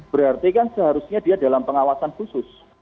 berarti kan seharusnya dia dalam pengawasan khusus